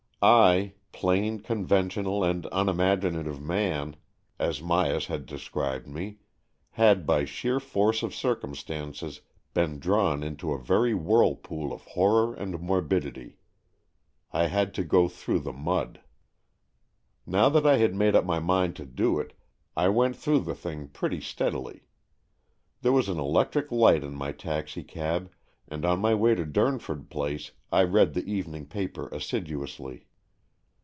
I, plain, conventional, and unimaginative man, 178 AN EXCHANGE OF SOULS 179 as Myas had described me, had by sheer force of circumstances been drawn into a very whirlpool of horror and morbidity. I had to go through the mud. Now that I had made up my mind to it, I went through the thing pretty steadily. There was an electric light in my taxicab, and on my way to Durnford Place I read the evening paper assiduously.